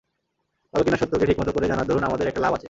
তবে কিনা সত্যকে ঠিকমতো করে জানার দরুন আমাদের একটা লাভ আছে।